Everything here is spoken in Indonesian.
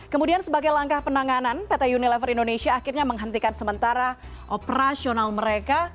kemudian sebagai langkah penanganan pt unilever indonesia akhirnya menghentikan sementara operasional mereka